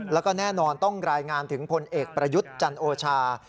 แล้วก็แน่นอนต้องรายงานถึงพลเอกประยุทธ์จันโอชา